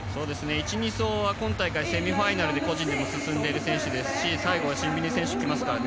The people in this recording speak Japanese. １２走は今大会、セミファイナルで個人でも進んでいる選手ですし最後はシンミネ選手来ますからね。